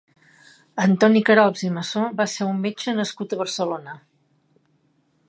Antoni Caralps i Massó va ser un metge nascut a Barcelona.